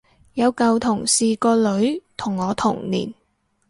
有舊同事個女同我同年